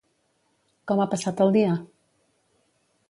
Com ha passat el dia?